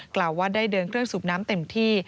กล่าวว่าได้เดินเครื่องสูบน้ำเต็มที่